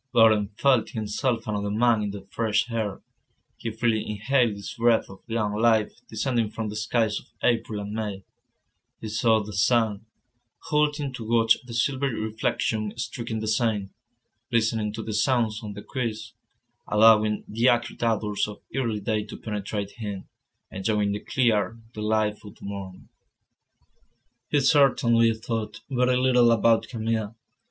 Laurent felt himself another man in the fresh air; he freely inhaled this breath of young life descending from the skies of April and May; he sought the sun, halting to watch the silvery reflection streaking the Seine, listening to the sounds on the quays, allowing the acrid odours of early day to penetrate him, enjoying the clear, delightful morn. He certainly thought very little about Camille.